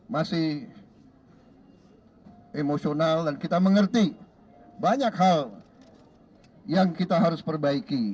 masih emosional dan kita mengerti banyak hal yang kita harus perbaiki